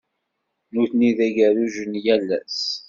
D nutni i d ageruj n yal ass.